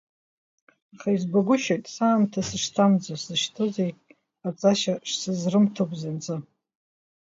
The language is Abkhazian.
Аха избагәышьоит саамҭа сышҭамӡо, сзышьҭоу зегь ҟаҵашьа шсызрымҭо бзанҵы!